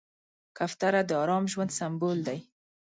کوتره د ارام ژوند سمبول دی.